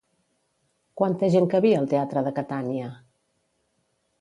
Quanta gent cabia al teatre de Catània?